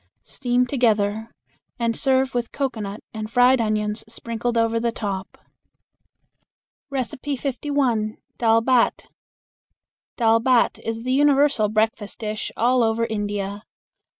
Steam together and serve with cocoanut and fried onions sprinkled over the top. 51. Dal Bhat. Dal Bhat is the universal breakfast dish all over India.